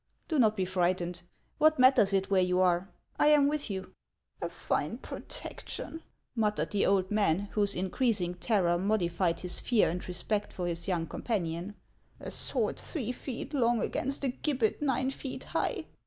" Do not be frightened. What matters it where you are ? I am with you." " A fine protection !" muttered the old man, whose in creasing terror modified his fear and respect for his young companion ;" a sword three feet long against a gibbet nine feet high